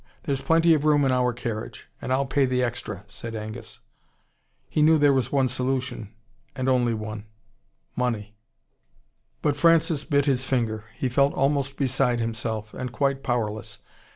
There's plenty of room in our carriage and I'll pay the extra," said Angus. He knew there was one solution and only one Money. But Francis bit his finger. He felt almost beside himself and quite powerless.